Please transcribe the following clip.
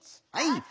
はい！